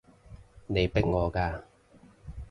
你逼我嘅